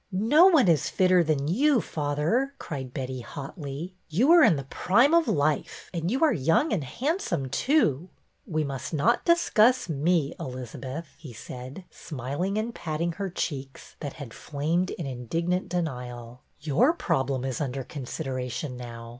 No one is fitter than you, father," cried Betty, hotly. '' You are in the prime of life, and you are young and handsome, too." ''We must not discuss me, Elizabeth," he said, 264 BETTY BAIRD'S VENTURES smiling and patting her cheeks that had flamed in indignant denial. '' Your problem is under consideration now.